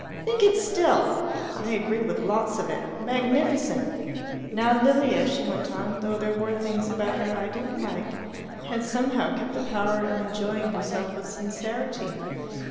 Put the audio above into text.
Think it still! I agree with lots of it. Magnificent!" "Now Lilia," she went on, "though there were things about her I didn't like, had somehow kept the power of enjoying herself with sincerity.